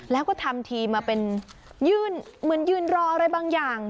แล้วก็ทำทีมันอยู่ที่ยืนรออะไรบางอย่าง